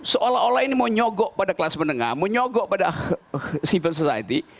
seolah olah ini menyogok pada kelas menengah menyogok pada civil society